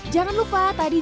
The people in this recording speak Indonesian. jangan lupa tadi jadinya